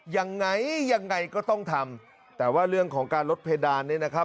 ยังไงยังไงก็ต้องทำแต่ว่าเรื่องของการลดเพดานเนี่ยนะครับ